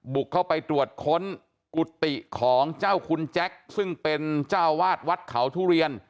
บุกเข้าไปตรวจค้นกุฏิของเจ้าคุณแจ็คซึ่งเป็นเจ้าวาดวัดเขาทุเรียน